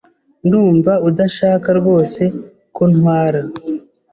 Ndumva udashaka rwose ko ntwara .